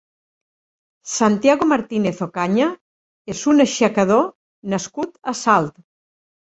Santiago Martínez Ocaña és un aixecador nascut a Salt.